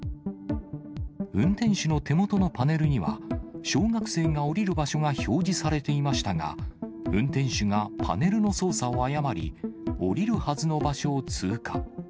運転手の手元のパネルには、小学生が降りる場所が表示されていましたが、運転手がパネルの操作を誤り、降りるはずの場所を通過。